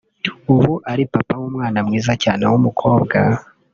ubu ari papa w’umwana mwiza cyane w’umukobwa